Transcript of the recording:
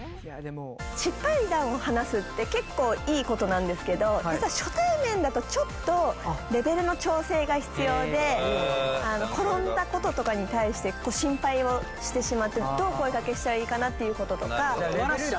失敗談を話すって結構いいことなんですけど実は初対面だと、ちょっとレベルの調整が必要で転んだこととかに対して心配をしてしまってどう声かけしたらいいかなっていうこととか。